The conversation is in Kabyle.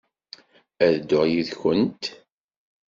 Ad dduɣ yid-kent.